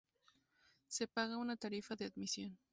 Se paga una tarifa de admisión.